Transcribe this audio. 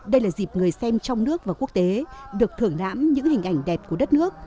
đây là dịp người xem trong nước và quốc tế được thưởng lãm những hình ảnh đẹp của đất nước